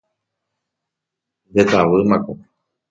Ndetavýmako.